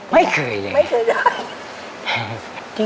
ไม่เคยเลย